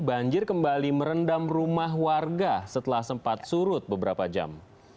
banjir kembali merendam rumah warga setelah sempat surut beberapa jam